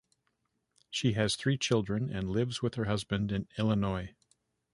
She has three children and lives with her husband in Illinois.